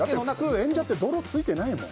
演者って普通泥ついてないもん。